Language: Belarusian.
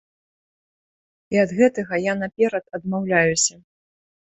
І ад гэтага я наперад адмаўляюся.